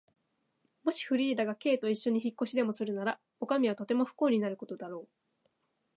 もしフリーダが Ｋ といっしょに引っ越しでもするなら、おかみはとても不幸になることだろう。